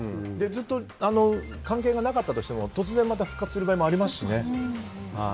ずっと関係がなかったとしても突然また復活する場合もありますしね。